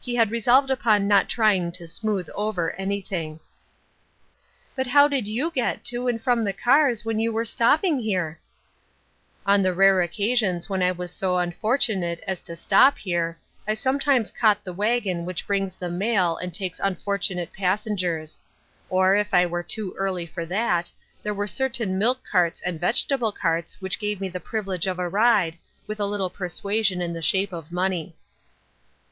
He had resolved upon not trying to smooth over anything. " But how did you get to and from the cars when you were stopping here ?"" On the rare occasions when I was so unfor tunate as to stop here I sometimes caught the wagon which brings the mail and takes un fortunate passengers ; or, if I were too early for that, there were certain milk carts and vegetable carts which gave me the privilege of a ride, with a little persuasion in the shape of money."